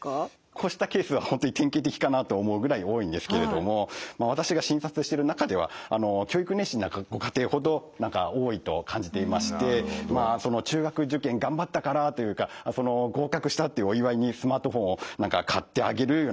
こうしたケースは本当に典型的かなと思うぐらいに多いんですけれどもまあ私が診察してる中では教育熱心なご家庭ほど多いと感じていましてまあ中学受験頑張ったからというか合格したってお祝いにスマートフォンを買ってあげるというようなことが起こるとですね